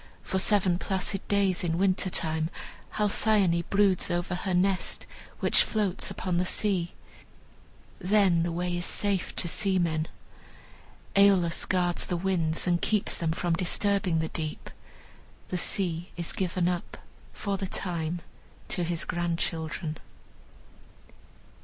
For seven placid days, in winter time, Halcyone broods over her nest, which floats upon the sea. Then the way is safe to seamen. Aeolus guards the winds and keeps them from disturbing the deep. The sea is given up, for the time, to his grandchildren.